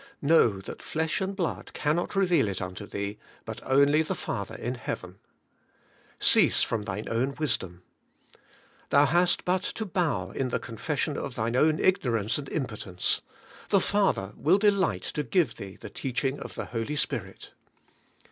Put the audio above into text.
Know that flesh and blood cannot reveal it unto thee, but only the Father in heaven. 'Cease from thine own wisdom.' Thou hast but to bow in the confession of thine own ignorance and im potence; the Father will delight to give thee the IN STILLNESS OF SOUL. 139 teaching of the Holy Spirit.